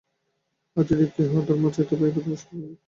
আর যদি কেহ ধর্ম চায়, তবে এই প্রাথমিক সোপানগুলি একান্ত প্রয়োজন।